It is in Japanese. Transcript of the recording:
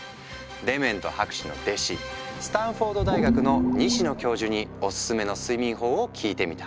デメント博士の弟子スタンフォード大学の西野教授におすすめの睡眠法を聞いてみた。